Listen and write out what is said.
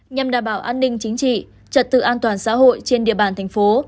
nhằm đảm bảo an ninh chính trị trật tự an toàn xã hội trên địa bàn thành phố